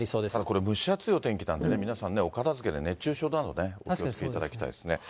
これ、蒸し暑いお天気なんで、皆さんね、お片づけで熱中症などね、お気をつけいただきたいですね。